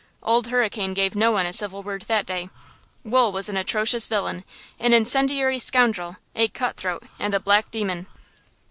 Old Hurricane gave no one a civil word that day. Wool was an atrocious villain, an incendiary scoundrel, a cut throat, and a black demon.